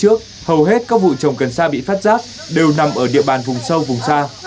trong những năm trước hầu hết các vụ trồng cần xa bị phát giáp đều nằm ở địa bàn vùng sâu vùng xa